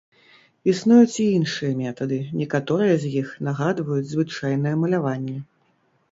Існуюць і іншыя метады, некаторыя з іх нагадваюць звычайнае маляванне.